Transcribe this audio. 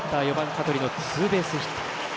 香取のツーベースヒット。